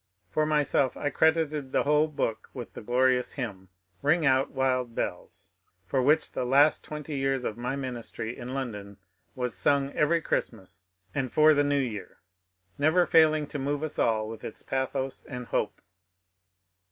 For myself, I credited the whole book with the glorious hymn, '^ Ring out, wild bells I " which for the last twenty years of my ministry in London was sung every Christmas and for the New Year, never failing to move us all with its pathos and hope.